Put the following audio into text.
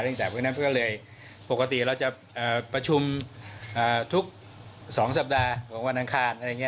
เพราะฉะนั้นก็เลยปกติเราจะประชุมทุก๒สัปดาห์ของวันอังคาร